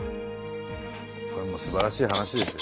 これはすばらしい話ですよ。